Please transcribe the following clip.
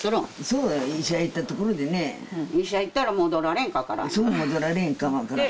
そうよ医者行ったところでね医者行ったら戻られんか分からん